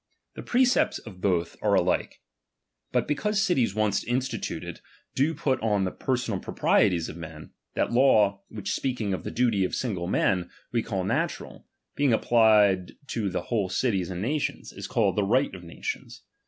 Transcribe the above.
The precepts of both are '^ alike. But because cities once instituted do put on the personal proprieties of men, that law, which speaking of the duty of single men we call na tural, being applied to whole cities and nations, is called t'he''rigkt of natioits.